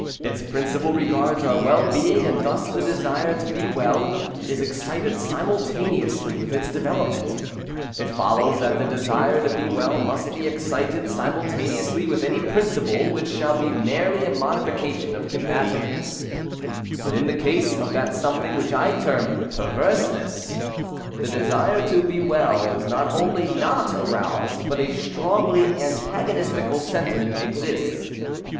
Its principle regards our well being; and thus the desire to be well is excited simultaneously with its development. It follows, that the desire to be well must be excited simultaneously with any principle which shall be merely a modification of combativeness, but in the case of that something which I term perverseness, the desire to be well is not only not aroused, but a strongly antagonistical sentiment exists.